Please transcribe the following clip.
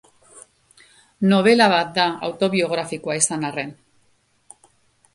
Nobela bat da, autobiografikoa izan arren.